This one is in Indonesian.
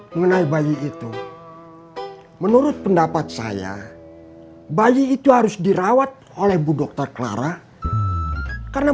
mengenai bayi itu menurut pendapat saya bayi itu harus dirawat oleh bu dokter clara karena